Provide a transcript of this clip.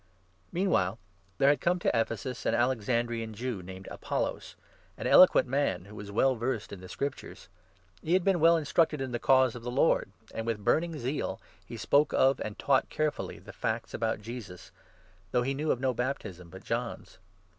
Meanwhile there had come to Ephesus an 24 Apoiios. Alexandrian Jew, named Apollos, an eloquent man, who was well versed in the Scriptures. He had been 25 well instructed in the Cause of the Lord, and with burning zeal he spoke of, and taught carefully, the facts about Jesus, though he knew of no baptism but John's.